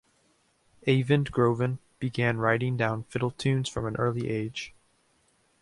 Eivind Groven began writing down fiddle tunes from an early age.